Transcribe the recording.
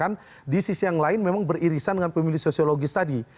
karena di sisi yang lain memang beririsan dengan pemilih sosiologis tadi